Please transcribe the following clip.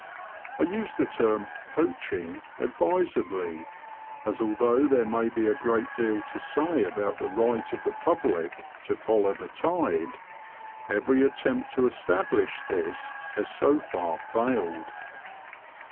I use the term *< poaching " advisedly, as although there may be a great deal to say about the right of the public to follow the tide, every attempt to establish this has so far foiled.